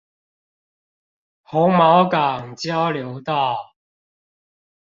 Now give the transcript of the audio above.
紅毛港交流道